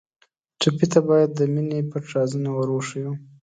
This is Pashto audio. ټپي ته باید د مینې پټ راز ور وښیو.